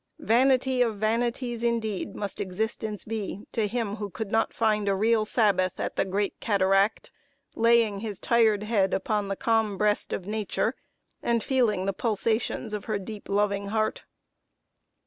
Vanity of vanities indeed must existence be to him who could not find a real Sabbath at the great cataract, laying his tired head upon the calm breast of Nature, and feeling the pulsations of her deep, loving heart!